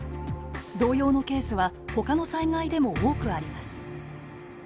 同様のケースはほかの災害でも多くあります。